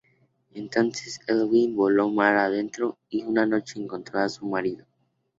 Entonces Elwing voló mar adentro y una noche encontró a su marido.